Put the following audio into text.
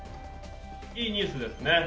いいニュースですね。